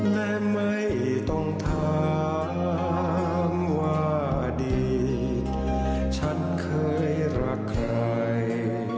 และไม่ต้องถามว่าดีฉันเคยรักใคร